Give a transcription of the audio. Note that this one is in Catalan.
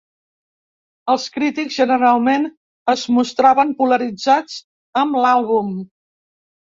Els crítics generalment es mostraven polaritzats amb l'àlbum.